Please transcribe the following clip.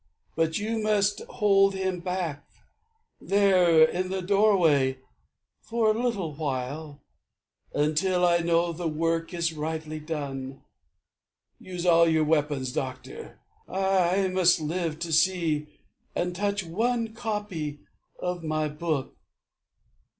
But you must hold him back, There, in the doorway, for a little while, Until I know the work is rightly done. Use all your weapons, doctor. I must live To see and touch one copy of my book.